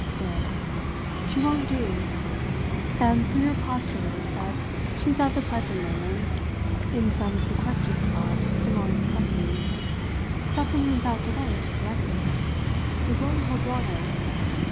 There! She won't do. And for your postulate that she's at the present moment in some sequestered spot in Long's company, suffer me without delay to correct it. It won't hold water.